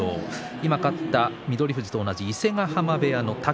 今、勝った翠富士と同じ伊勢ヶ濱部屋の尊